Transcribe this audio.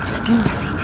lo maksudnya gak sih